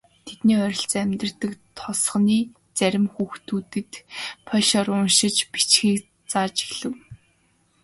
Тэдний ойролцоо амьдардаг тосгоны зарим хүүхдүүдэд польшоор уншиж бичихийг зааж эхлэв.